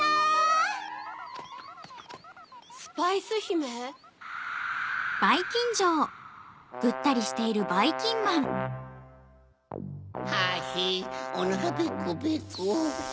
スパイスひめ？ハヒおなかペコペコ。